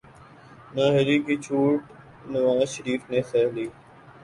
نااہلی کی چوٹ نواز شریف نے سہہ لی۔